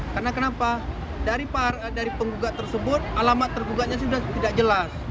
karena kenapa dari penggugat tersebut alamat tergugatnya sudah tidak jelas